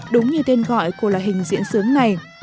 đúng như tên gọi của loài hình diễn xướng này